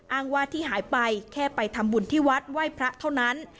อ้างว่าที่หายไปแค่ไปทำบุญที่วัดไหว้พระเท่านั้น